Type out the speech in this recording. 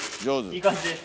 いい感じです。